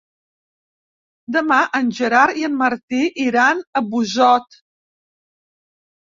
Demà en Gerard i en Martí iran a Busot.